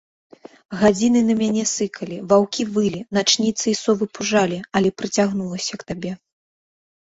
Гадзіны на мяне сыкалі, ваўкі вылі, начніцы і совы пужалі, але прыцягнулася к табе.